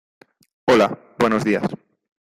Hola, buenos días.